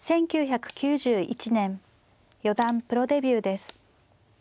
１９９１年四段プロデビューです。